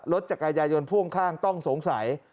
จักรยายนพ่วงข้างต้องสงสัย